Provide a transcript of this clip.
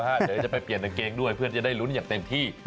เดี๋ยวจะไปเปลี่ยนกางเกงด้วยเพื่อจะได้ลุ้นอย่างเต็มที่